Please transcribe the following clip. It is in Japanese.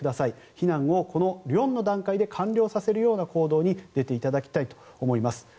避難をこの４の段階で完了させる行動に出ていただきたいと思います。